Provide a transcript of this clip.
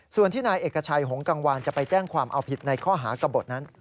ส่วนที่นายเอกชัยหงกังวานจะไปแจ้งความเอาผิดในข้อหากระบดนั้น